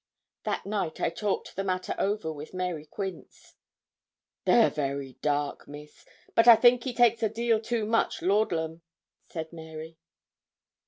That night I talked the matter over with Mary Quince. 'They're very dark, miss; but I think he takes a deal too much laudlum,' said Mary.